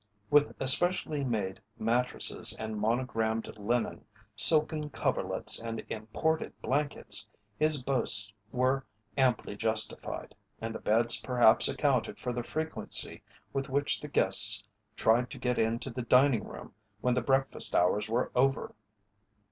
With especially made mattresses and monogrammed linen, silken coverlets and imported blankets, his boasts were amply justified, and the beds perhaps accounted for the frequency with which the guests tried to get into the dining room when the breakfast hours were over.